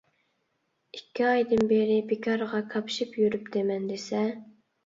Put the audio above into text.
ئىككى ئايدىن بېرى بىكارغا كاپشىپ يۈرۈپتىمەن دېسە.